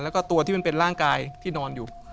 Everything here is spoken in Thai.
แล้วก็ตัวที่มันเป็นร่างกายที่นอนอยู่